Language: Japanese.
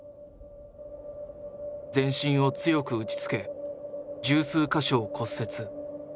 全身を強く打ちつけ十数か所を骨折。